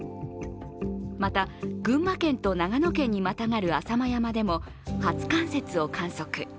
また、群馬県と長野県にまたがる浅間山でも初冠雪を観測。